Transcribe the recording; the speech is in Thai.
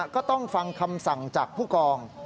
ก็ต้องฟังคำสั่งจากผู้กอง